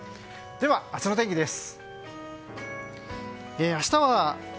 では、明日の天気です。